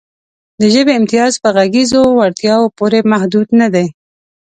د ژبې امتیاز په غږیزو وړتیاوو پورې محدود نهدی.